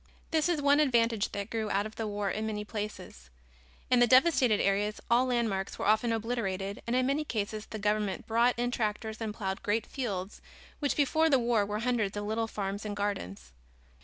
This is one advantage that grew out of the war in many places. In the devastated areas all landmarks were often obliterated and in many cases the government brought in tractors and plowed great fields which before the war were hundreds of little farms and gardens.